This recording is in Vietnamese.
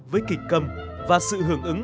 với kịch câm và sự hưởng ứng